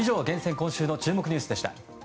今週の注目ニュースでした。